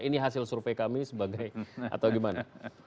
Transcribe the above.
ini hasil survei kami sebagai atau gimana